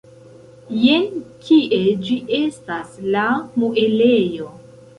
Jen kie ĝi estas, la muelejo!